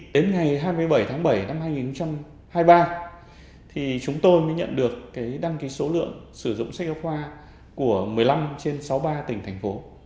đến ngày hai mươi bảy tháng bảy năm hai nghìn hai mươi ba chúng tôi mới nhận được đăng ký số lượng sử dụng sách giáo khoa của một mươi năm trên sáu mươi ba tỉnh thành phố